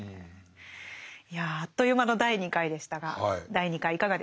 いやあっという間の第２回でしたが第２回いかがでしたか？